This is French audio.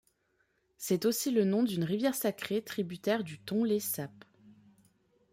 C'est aussi le nom d'une rivière sacrée tributaire du Tonlé Sap.